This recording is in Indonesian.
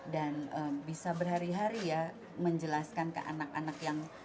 dan bisa berhari hari ya menjelaskan ke anak anak yang